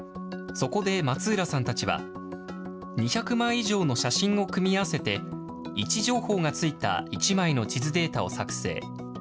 そこで松浦さんたちは、２００枚以上の写真を組み合わせて、位置情報がついた１枚の地図データを作成。